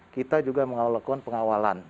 kita juga mengawalkan pengawalan